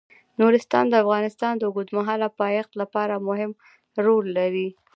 نورستان د افغانستان د اوږدمهاله پایښت لپاره مهم رول لري.